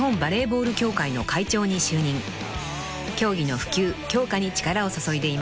［競技の普及強化に力を注いでいます］